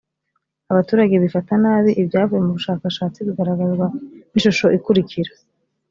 abaturage bifata nabi ibyavuye mu bushakashatsi bigaragazwa n ishusho ikurikira